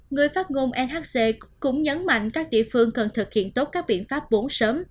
người phát ngôn nhc cũng nhấn mạnh các địa phương cần thực hiện tốt các biện pháp bốn sớm